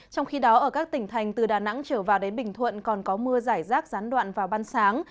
trong khi đó ở các tỉnh thành từ đà nẵng trở vào đến bình thuận còn có mưa giải rác gián đoạn vào ban sáng